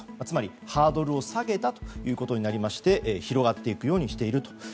つまりハードルを下げたとなりまして広がっていくようにしていると。